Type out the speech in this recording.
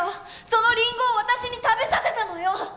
そのリンゴを私に食べさせたのよ！